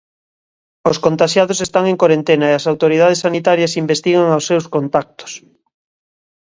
Os contaxiados están en corentena e as autoridades sanitarias investigan os seus contactos.